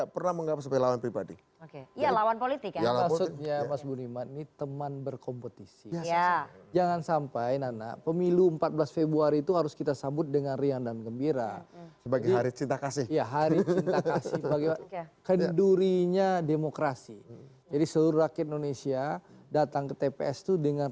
berlawanan pilihan berlawanan dukungan